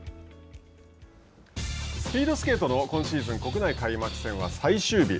スピードスケートの今シーズン国内開幕戦は最終日。